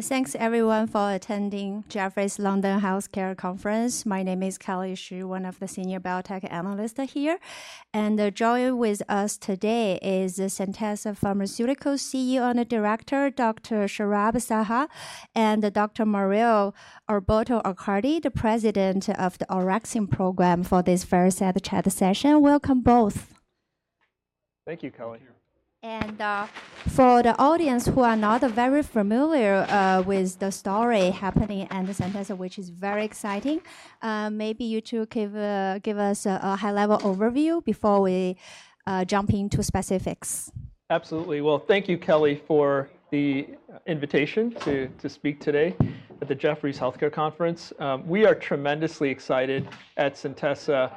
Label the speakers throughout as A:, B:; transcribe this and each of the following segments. A: Thanks, everyone, for attending Jefferies' London Healthcare Conference. My name is Kelly Shi, one of the senior biotech analysts here. And joining with us today is the Centessa Pharmaceuticals CEO and Director, Dr. Saurabh Saha, and Dr. Mario Alberto Accardi, the President of the Orexin Program for this first chat session. Welcome both.
B: Thank you, Kelly.
A: For the audience who are not very familiar with the story happening at Centessa, which is very exciting, maybe you two give us a high-level overview before we jump into specifics.
B: Absolutely. Well, thank you, Kelly, for the invitation to speak today at the Jefferies Healthcare Conference. We are tremendously excited at Centessa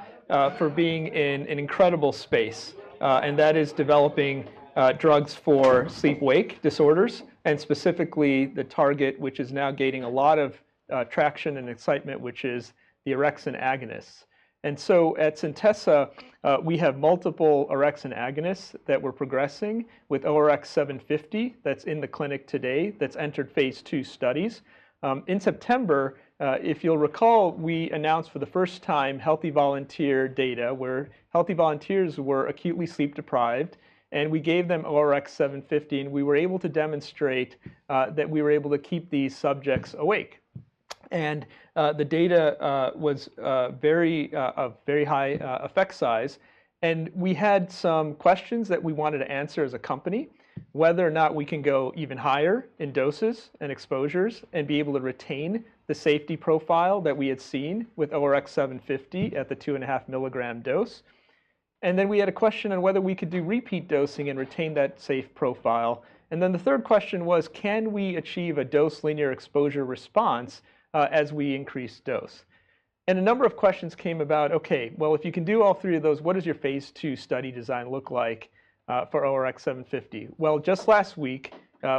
B: for being in an incredible space, and that is developing drugs for sleep-wake disorders, and specifically the target, which is now gaining a lot of traction and excitement, which is the orexin agonists, and so at Centessa, we have multiple orexin agonists that we're progressing with ORX-750 that's in the clinic today, that's entered phase two studies. In September, if you'll recall, we announced for the first time healthy volunteer data where healthy volunteers were acutely sleep deprived, and we gave them ORX-750, and we were able to demonstrate that we were able to keep these subjects awake, and the data was of very high effect size. And we had some questions that we wanted to answer as a company, whether or not we can go even higher in doses and exposures and be able to retain the safety profile that we had seen with ORX-750 at the 2.5 milligram dose. And then we had a question on whether we could do repeat dosing and retain that safe profile. And then the third question was, can we achieve a dose-linear exposure response as we increase dose? And a number of questions came about, okay, well, if you can do all three of those, what does your phase II study design look like for ORX-750? Well, just last week,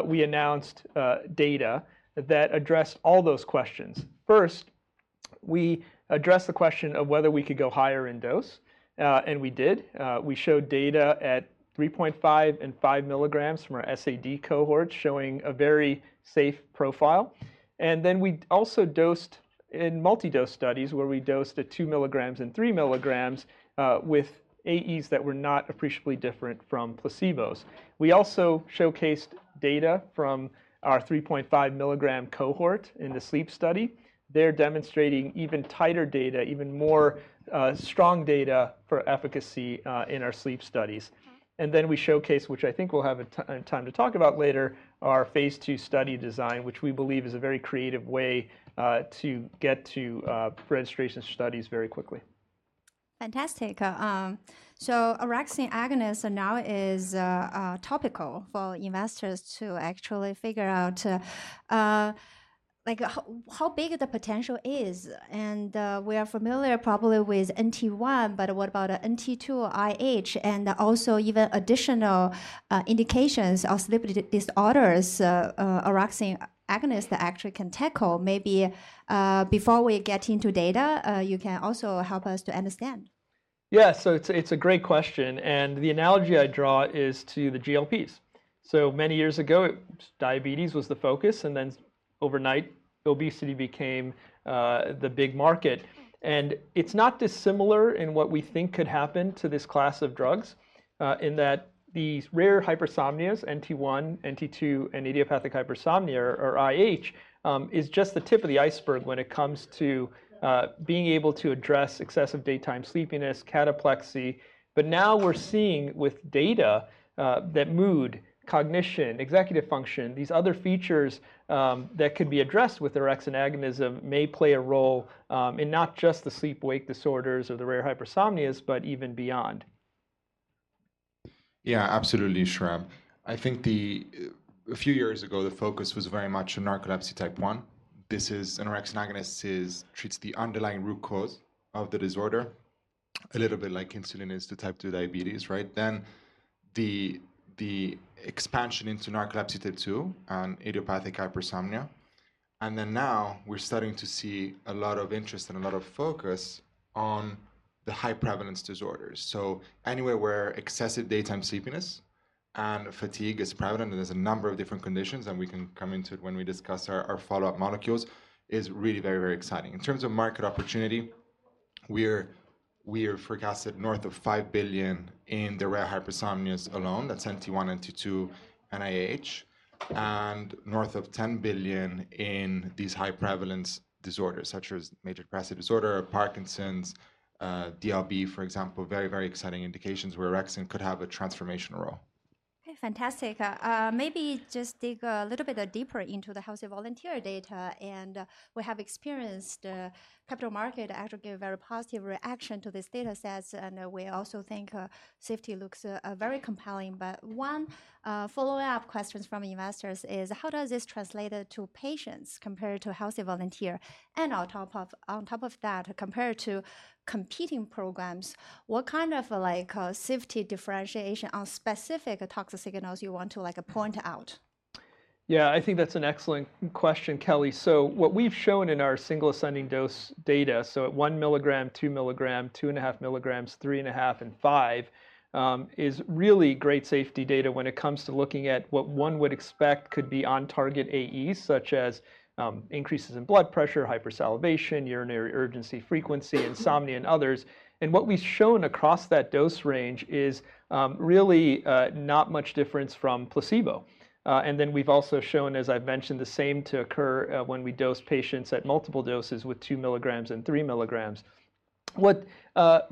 B: we announced data that address all those questions. First, we addressed the question of whether we could go higher in dose, and we did. We showed data at 3.5 and 5 milligrams from our SAD cohorts showing a very safe profile. And then we also dosed in multi-dose studies where we dosed at 2 milligrams and 3 milligrams with AEs that were not appreciably different from placebos. We also showcased data from our 3.5 milligram cohort in the sleep study. They're demonstrating even tighter data, even more strong data for efficacy in our sleep studies. And then we showcased, which I think we'll have time to talk about later, our phase two study design, which we believe is a very creative way to get to registration studies very quickly.
A: Fantastic, so orexin agonist now is topical for investors to actually figure out how big the potential is, and we are familiar probably with NT1, but what about NT2, IH, and also even additional indications of sleep disorders orexin agonists that actually can tackle? Maybe before we get into data, you can also help us to understand.
B: Yeah, so it's a great question, and the analogy I draw is to the GLPs, so many years ago, diabetes was the focus, and then overnight, obesity became the big market, and it's not dissimilar in what we think could happen to this class of drugs in that these rare hypersomnias, NT1, NT2, and idiopathic hypersomnia, or IH, is just the tip of the iceberg when it comes to being able to address excessive daytime sleepiness, cataplexy, but now we're seeing with data that mood, cognition, executive function, these other features that could be addressed with orexin agonism may play a role in not just the sleep-wake disorders or the rare hypersomnias, but even beyond.
C: Yeah, absolutely, Saurabh. I think a few years ago, the focus was very much on narcolepsy type 1. This is an orexin agonist that treats the underlying root cause of the disorder, a little bit like insulin is to type 2 diabetes, right? Then the expansion into narcolepsy type 2 and idiopathic hypersomnia, and then now we're starting to see a lot of interest and a lot of focus on the high prevalence disorders. So anywhere where excessive daytime sleepiness and fatigue is prevalent, and there's a number of different conditions that we can come into it when we discuss our follow-up molecules, is really very, very exciting. In terms of market opportunity, we are forecasted north of $5 billion in the rare hypersomnias alone, that's NT1, NT2, and IH, and north of $10 billion in these high prevalence disorders such as major depressive disorder, Parkinson's, DLB, for example, very, very exciting indications where orexin could have a transformational role.
A: Fantastic. Maybe just dig a little bit deeper into the healthy volunteer data. And we have experienced capital market actually gave a very positive reaction to this data set. And we also think safety looks very compelling. But one follow-up question from investors is, how does this translate to patients compared to healthy volunteer? And on top of that, compared to competing programs, what kind of safety differentiation on specific toxic signals you want to point out?
B: Yeah, I think that's an excellent question, Kelly. So what we've shown in our single ascending dose data, so at one milligram, two milligram, 2.5 milligrams, 3.5, and five, is really great safety data when it comes to looking at what one would expect could be on target AEs, such as increases in blood pressure, hypersalivation, urinary urgency, frequency, insomnia, and others. And then we've also shown, as I've mentioned, the same to occur when we dose patients at multiple doses with two milligrams and three milligrams. What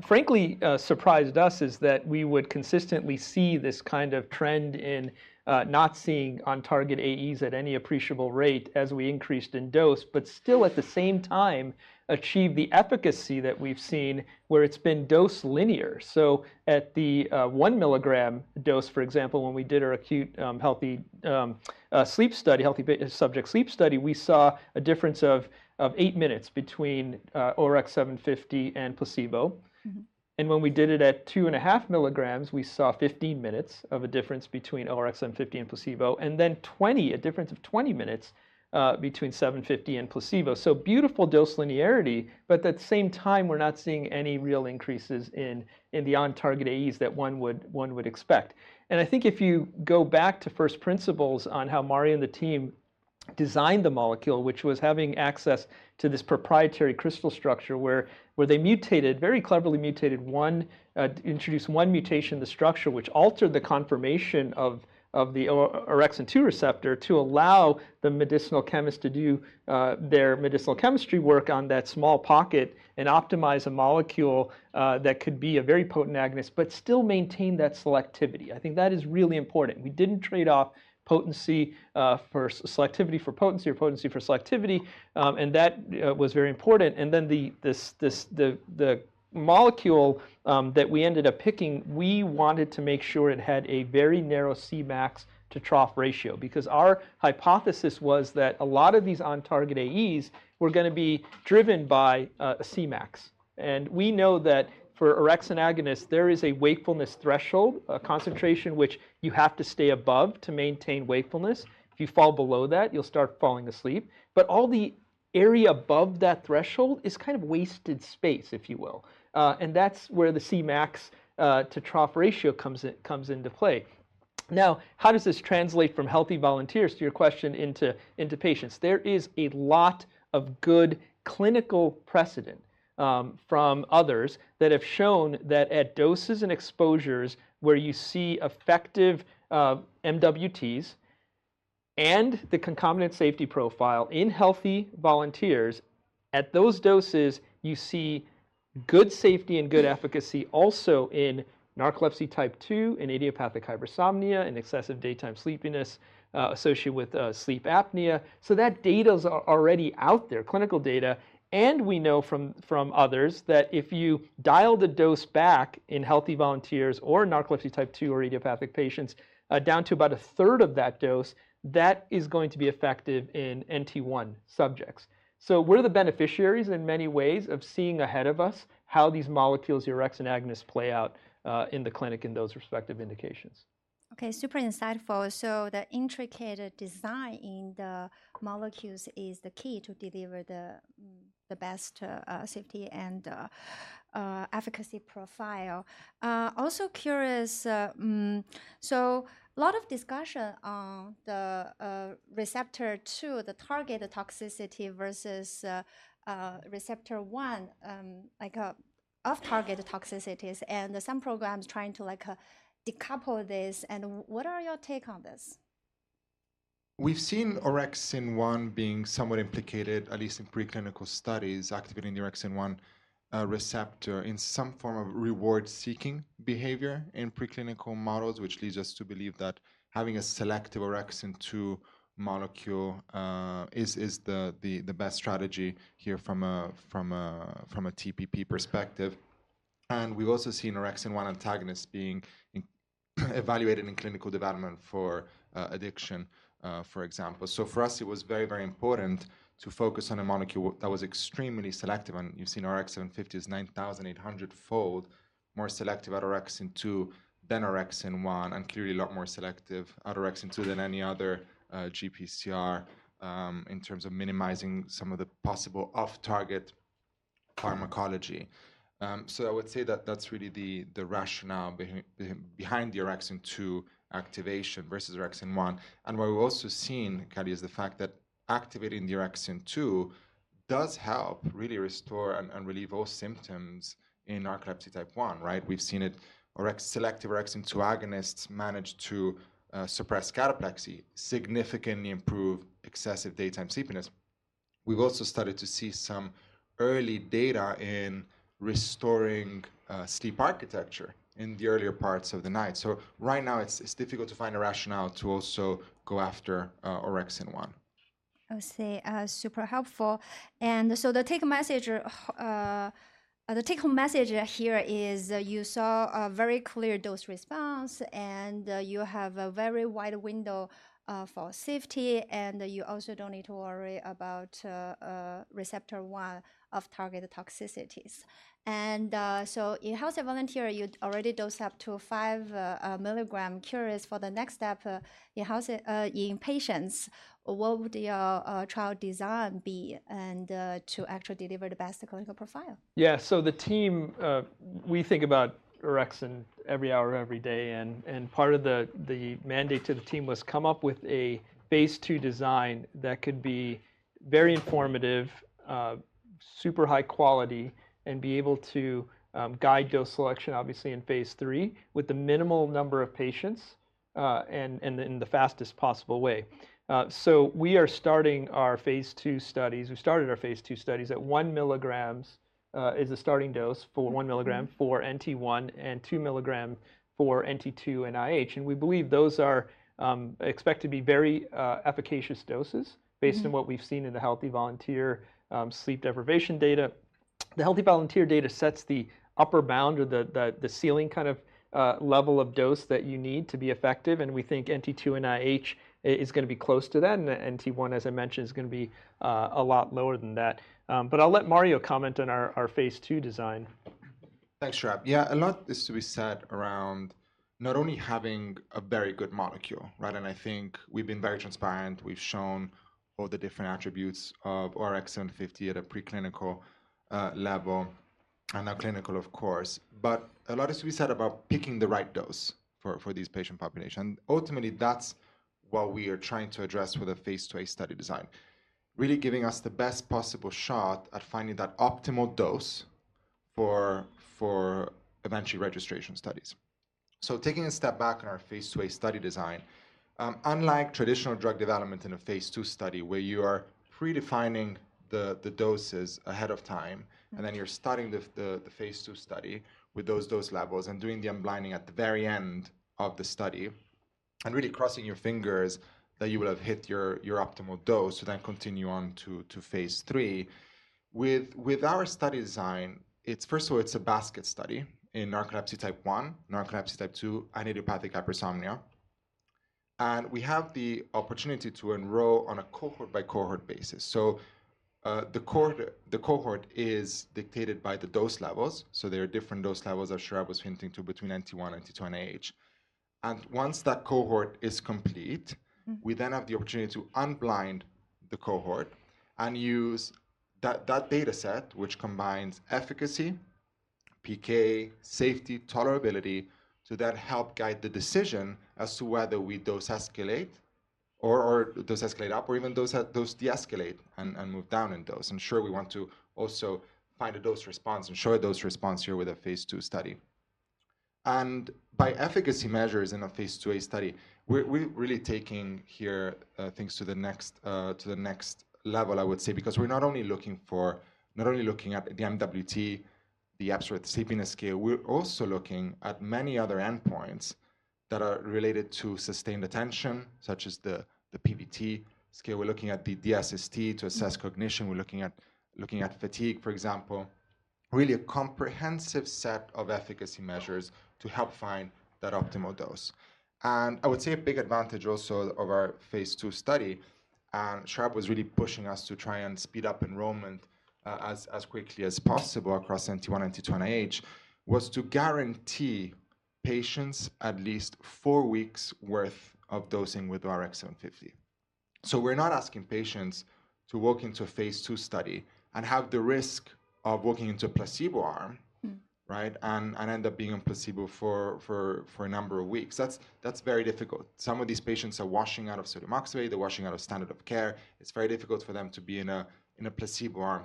B: frankly surprised us is that we would consistently see this kind of trend in not seeing on target AEs at any appreciable rate as we increased in dose, but still at the same time achieve the efficacy that we've seen where it's been dose linear. So at the one milligram dose, for example, when we did our acute healthy subject sleep study, we saw a difference of eight minutes between ORX-750 and placebo. And when we did it at 2.5 milligrams, we saw 15 minutes of a difference between ORX-750 and placebo, and then 20, a difference of 20 minutes between 750 and placebo. So beautiful dose linearity, but at the same time, we're not seeing any real increases in the on-target AEs that one would expect. I think if you go back to first principles on how Mario and the team designed the molecule, which was having access to this proprietary crystal structure where they mutated, very cleverly mutated one, introduced one mutation in the structure, which altered the conformation of the OX2R receptor to allow the medicinal chemist to do their medicinal chemistry work on that small pocket and optimize a molecule that could be a very potent agonist, but still maintain that selectivity. I think that is really important. We didn't trade off potency for selectivity for potency or potency for selectivity. That was very important. Then the molecule that we ended up picking, we wanted to make sure it had a very narrow Cmax to trough ratio, because our hypothesis was that a lot of these on-target AEs were going to be driven by Cmax. We know that for orexin agonists, there is a wakefulness threshold, a concentration which you have to stay above to maintain wakefulness. If you fall below that, you'll start falling asleep. All the area above that threshold is kind of wasted space, if you will. That's where the Cmax to trough ratio comes into play. Now, how does this translate from healthy volunteers, to your question, into patients? There is a lot of good clinical precedent from others that have shown that at doses and exposures where you see effective MWTs and the concomitant safety profile in healthy volunteers, at those doses, you see good safety and good efficacy also in narcolepsy type 2, in idiopathic hypersomnia, in excessive daytime sleepiness associated with sleep apnea. That data is already out there, clinical data. We know from others that if you dial the dose back in healthy volunteers or narcolepsy type 2 or idiopathic patients down to about a third of that dose, that is going to be effective in NT1 subjects. We're the beneficiaries in many ways of seeing ahead of us how these molecules, orexin agonists, play out in the clinic in those respective indications.
A: Okay, super insightful. So the intricate design in the molecules is the key to deliver the best safety and efficacy profile. Also curious, so a lot of discussion on the receptor 2, the target toxicity versus receptor 1, like off-target toxicities, and some programs trying to decouple this. And what are your take on this?
C: We've seen orexin 1 being somewhat implicated, at least in preclinical studies, activating the orexin 1 receptor in some form of reward-seeking behavior in preclinical models, which leads us to believe that having a selective orexin 2 molecule is the best strategy here from a TPP perspective. And we've also seen orexin 1 antagonists being evaluated in clinical development for addiction, for example. So for us, it was very, very important to focus on a molecule that was extremely selective. And you've seen ORX-750 is 9,800-fold more selective at orexin 2 than orexin 1, and clearly a lot more selective at orexin 2 than any other GPCR in terms of minimizing some of the possible off-target pharmacology. So I would say that that's really the rationale behind the orexin 2 activation versus orexin 1. And what we've also seen, Kelly, is the fact that activating the orexin 2 does help really restore and relieve all symptoms in narcolepsy type 1, right? We've seen selective orexin 2 agonists manage to suppress cataplexy, significantly improve excessive daytime sleepiness. We've also started to see some early data in restoring sleep architecture in the earlier parts of the night. So right now, it's difficult to find a rationale to also go after orexin 1.
A: I would say super helpful, and so the take-home message here is you saw a very clear dose-response, and you have a very wide window for safety, and you also don't need to worry about receptor 1 off-target toxicities, and so in healthy volunteer, you already dosed up to five milligrams. Curious for the next step in patients, what would your trial design be to actually deliver the best clinical profile?
B: Yeah, so the team, we think about orexin every hour, every day. And part of the mandate to the team was come up with a phase II design that could be very informative, super high quality, and be able to guide dose selection, obviously, in phase III with the minimal number of patients and in the fastest possible way. So we are starting our phase II studies. We started our phase II studies at one milligram as a starting dose for one milligram for NT1 and two milligrams for NT2 and IH. And we believe those are expected to be very efficacious doses based on what we've seen in the healthy volunteer sleep deprivation data. The healthy volunteer data sets the upper bound or the ceiling kind of level of dose that you need to be effective. And we think NT2 and IH is going to be close to that. NT1, as I mentioned, is going to be a lot lower than that. But I'll let Mario comment on our phase two design.
C: Thanks, Saurabh. Yeah, a lot is to be said around not only having a very good molecule, right? And I think we've been very transparent. We've shown all the different attributes of ORX-750 at a preclinical level and non-clinical, of course. But a lot is to be said about picking the right dose for these patient populations. And ultimately, that's what we are trying to address with a phase two study design, really giving us the best possible shot at finding that optimal dose for eventually registration studies. Taking a step back on our phase II study design, unlike traditional drug development in a phase II study where you are pre-defining the doses ahead of time, and then you're starting the phase II study with those dose levels and doing the unblinding at the very end of the study and really crossing your fingers that you will have hit your optimal dose to then continue on to phase III. With our study design, first of all, it's a basket study in narcolepsy type 1, narcolepsy type 2, and idiopathic hypersomnia. We have the opportunity to enroll on a cohort-by-cohort basis. The cohort is dictated by the dose levels. There are different dose levels, as Saurabh was hinting to, between NT1, NT2, and IH. Once that cohort is complete, we then have the opportunity to unblind the cohort and use that data set, which combines efficacy, PK, safety, tolerability, to then help guide the decision as to whether we dose escalate or dose escalate up or even dose de-escalate and move down in dose. Sure, we want to also find a dose response and show a dose response here with a phase II study. By efficacy measures in a phase II study, we're really taking here things to the next level, I would say, because we're not only looking at the MWT, the Epworth Sleepiness Scale, we're also looking at many other endpoints that are related to sustained attention, such as the PVT scale. We're looking at the DSST to assess cognition. We're looking at fatigue, for example, really a comprehensive set of efficacy measures to help find that optimal dose, and I would say a big advantage also of our phase two study, and Saurabh Saha was really pushing us to try and speed up enrollment as quickly as possible across NT1, NT2, and IH, was to guarantee patients at least four weeks' worth of dosing with ORX-750, so we're not asking patients to walk into a phase two study and have the risk of walking into a placebo arm, right, and end up being in placebo for a number of weeks. That's very difficult. Some of these patients are washing out of sodium oxybate. They're washing out of standard of care. It's very difficult for them to be in a placebo arm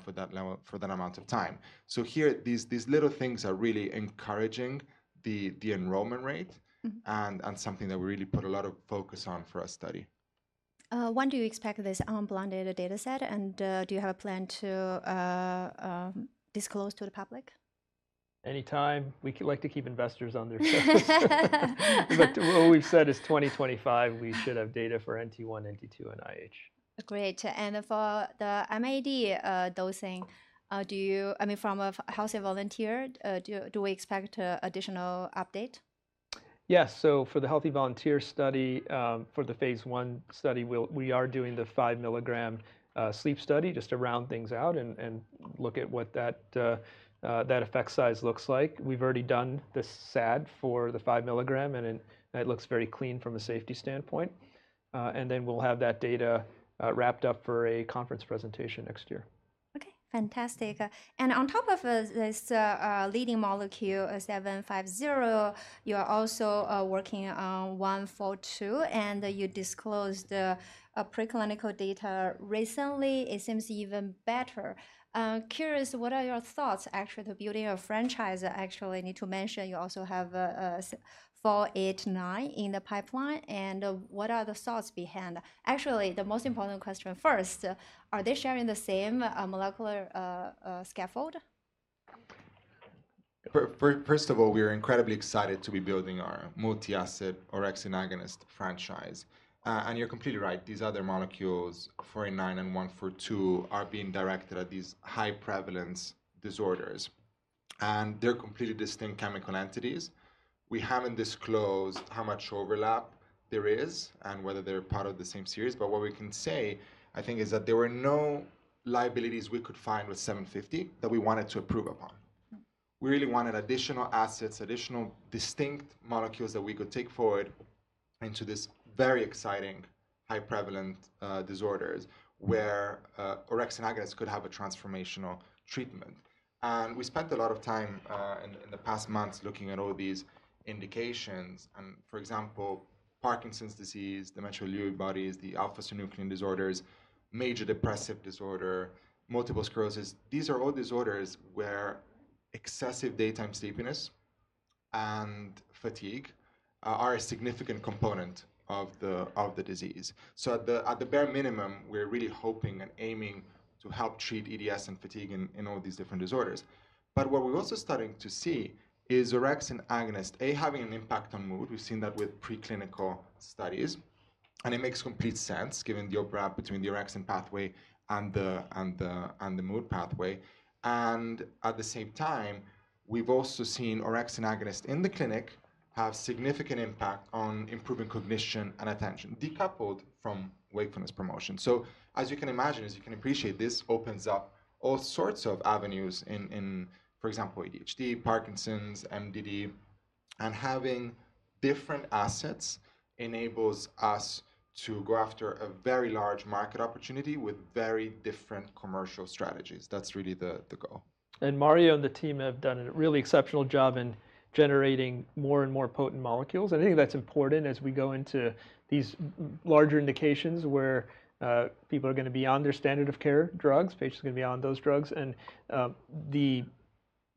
C: for that amount of time. So here, these little things are really encouraging the enrollment rate, and something that we really put a lot of focus on for our study.
A: When do you expect this unblinded data set, and do you have a plan to disclose to the public?
B: Anytime. We like to keep investors on their toes. But what we've said is 2025, we should have data for NT1, NT2, and IH.
A: Great. And for the MAD dosing, do you mean, from a healthy volunteer, do we expect additional update?
B: Yes, so for the healthy volunteer study, for the phase one study, we are doing the five milligram sleep study just to round things out and look at what that effect size looks like. We've already done the SAD for the five milligram, and it looks very clean from a safety standpoint, and then we'll have that data wrapped up for a conference presentation next year.
A: Okay, fantastic. And on top of this leading molecule, 750, you are also working on 142, and you disclosed preclinical data recently. It seems even better. Curious, what are your thoughts, actually, to building a franchise? Actually, I need to mention you also have 489 in the pipeline. And what are the thoughts behind? Actually, the most important question first, are they sharing the same molecular scaffold?
C: First of all, we are incredibly excited to be building our multi-asset orexin agonist franchise. You're completely right. These other molecules, ORX-489 and ORX-142, are being directed at these high-prevalence disorders. They're completely distinct chemical entities. We haven't disclosed how much overlap there is and whether they're part of the same series. But what we can say, I think, is that there were no liabilities we could find with ORX-750 that we wanted to improve upon. We really wanted additional assets, additional distinct molecules that we could take forward into these very exciting, high-prevalence disorders where orexin agonists could have a transformational treatment. We spent a lot of time in the past months looking at all these indications. For example, Parkinson's disease, dementia with Lewy bodies, the alpha-synuclein disorders, major depressive disorder, multiple sclerosis. These are all disorders where excessive daytime sleepiness and fatigue are a significant component of the disease. At the bare minimum, we're really hoping and aiming to help treat EDS and fatigue in all these different disorders. What we're also starting to see is orexin agonists as having an impact on mood. We've seen that with preclinical studies. It makes complete sense given the overlap between the orexin pathway and the mood pathway. At the same time, we've also seen orexin agonists in the clinic have significant impact on improving cognition and attention, decoupled from wakefulness promotion. As you can imagine, as you can appreciate, this opens up all sorts of avenues in, for example, ADHD, Parkinson's, MDD. Having different assets enables us to go after a very large market opportunity with very different commercial strategies. That's really the goal.
B: Mario and the team have done a really exceptional job in generating more and more potent molecules. I think that's important as we go into these larger indications where people are going to be on their standard of care drugs. Patients are going to be on those drugs. The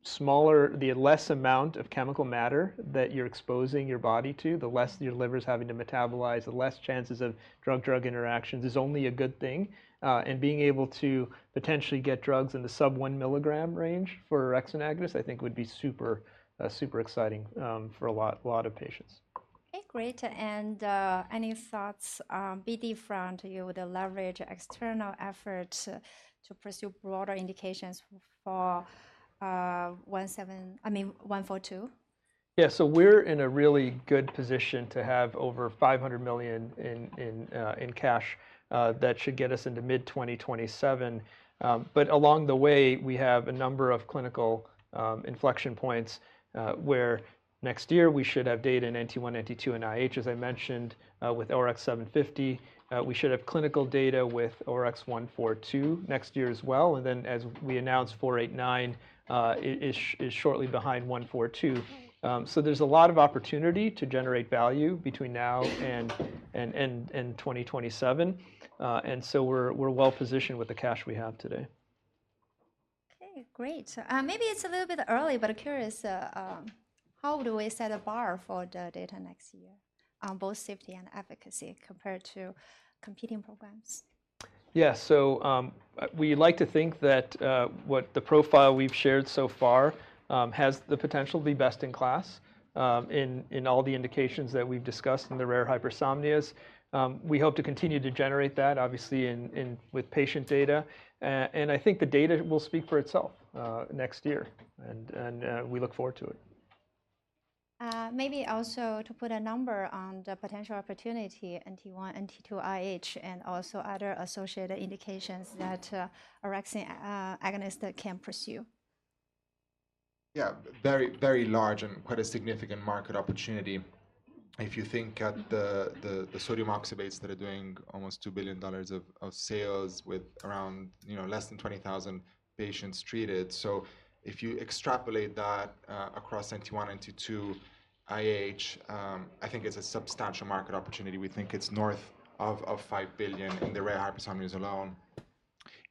B: smaller the less amount of chemical matter that you're exposing your body to, the less your liver is having to metabolize, the less chances of drug-drug interactions is only a good thing. Being able to potentially get drugs in the sub-one milligram range for orexin agonists, I think, would be super exciting for a lot of patients.
A: Okay, great. And any thoughts, BD front? Do you would leverage external efforts to pursue broader indications for 142?
B: Yeah, so we're in a really good position to have over $500 million in cash that should get us into mid-2027. But along the way, we have a number of clinical inflection points where next year we should have data in NT1, NT2, and IH, as I mentioned, with ORX-750. We should have clinical data with ORX-142 next year as well. And then as we announced, ORX-489 is shortly behind ORX-142. So there's a lot of opportunity to generate value between now and 2027. And so we're well positioned with the cash we have today.
A: Okay, great. Maybe it's a little bit early, but curious, how do we set a bar for the data next year on both safety and efficacy compared to competing programs?
B: Yeah, so we like to think that what the profile we've shared so far has the potential to be best in class in all the indications that we've discussed in the rare hypersomnias. We hope to continue to generate that, obviously, with patient data. And I think the data will speak for itself next year. And we look forward to it.
A: Maybe also to put a number on the potential opportunity, NT1, NT2, IH, and also other associated indications that orexin agonists can pursue.
C: Yeah, very large and quite a significant market opportunity. If you think at the sodium oxybate that are doing almost $2 billion of sales with around less than 20,000 patients treated. So if you extrapolate that across NT1, NT2, IH, I think it's a substantial market opportunity. We think it's north of $5 billion in the rare hypersomnias alone.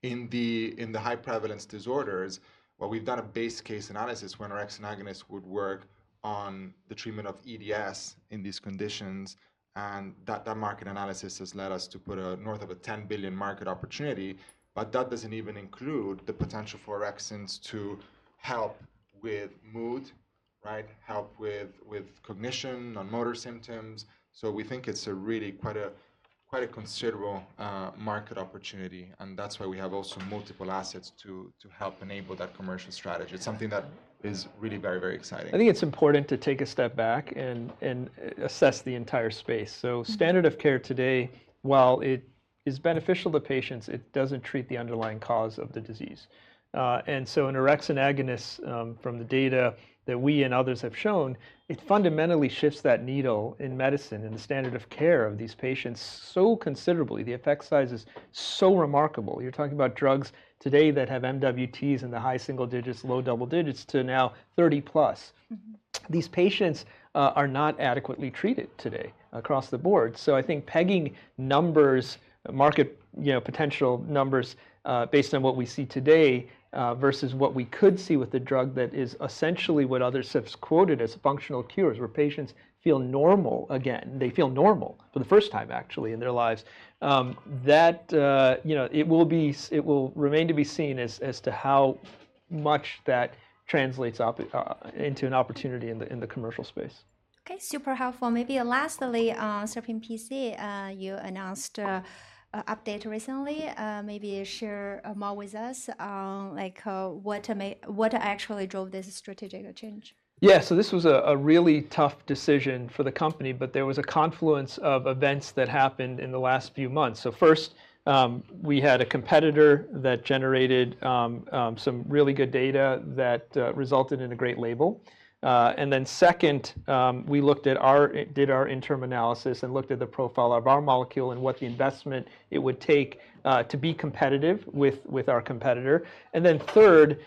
C: In the high-prevalence disorders, well, we've done a base case analysis when orexin agonists would work on the treatment of EDS in these conditions. And that market analysis has led us to put a north of a $10 billion market opportunity. But that doesn't even include the potential for orexins to help with mood, right, help with cognition, non-motor symptoms. So we think it's really quite a considerable market opportunity. And that's why we have also multiple assets to help enable that commercial strategy. It's something that is really very, very exciting.
B: I think it's important to take a step back and assess the entire space. Standard of care today, while it is beneficial to patients, doesn't treat the underlying cause of the disease. An orexin agonist, from the data that we and others have shown, fundamentally shifts that needle in medicine and the standard of care of these patients so considerably. The effect size is so remarkable. You're talking about drugs today that have MWTs in the high single digits, low double digits to now 30+. These patients are not adequately treated today across the board. I think pegging numbers, market potential numbers based on what we see today versus what we could see with the drug that is essentially what others have quoted as functional cures, where patients feel normal again, they feel normal for the first time, actually, in their lives. It will remain to be seen as to how much that translates into an opportunity in the commercial space.
A: Okay, super helpful. Maybe lastly, SerpinPC, you announced an update recently. Maybe share more with us on what actually drove this strategic change.
B: Yeah, so this was a really tough decision for the company, but there was a confluence of events that happened in the last few months. So first, we had a competitor that generated some really good data that resulted in a great label. And then second, we looked at our interim analysis and looked at the profile of our molecule and what the investment it would take to be competitive with our competitor. And then third,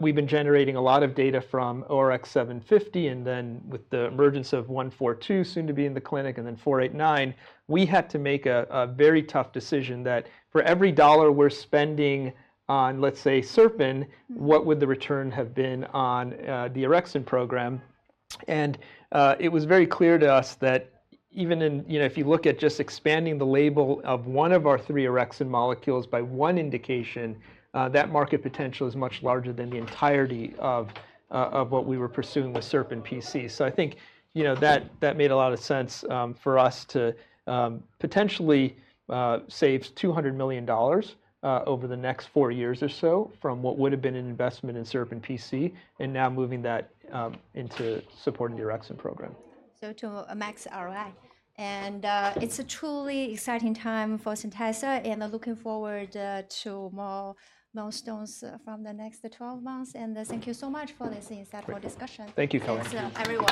B: we've been generating a lot of data from ORX-750. And then with the emergence of ORX-142 soon to be in the clinic and then ORX-489, we had to make a very tough decision that for every dollar we're spending on, let's say, SerpinPC, what would the return have been on the orexin program? It was very clear to us that even if you look at just expanding the label of one of our three orexin molecules by one indication, that market potential is much larger than the entirety of what we were pursuing with SerpinPC. So I think that made a lot of sense for us to potentially save $200 million over the next four years or so from what would have been an investment in SerpinPC and now moving that into supporting the orexin program.
A: To max ROI, and it's a truly exciting time for Centessa, and looking forward to more milestones from the next 12 months, and thank you so much for this insightful discussion.
B: Thank you, Kelly.
A: Thank you.